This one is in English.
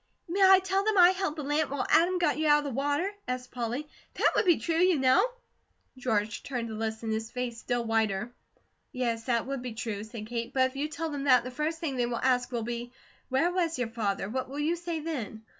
"May I tell them I held the lamp while Adam got you out of the water?" asked Polly. "That would be true, you know." George turned to listen, his face still whiter. "Yes, that would be true," said Kate, "but if you tell them that, the first thing they will ask will be 'where was your father?' What will you say then?"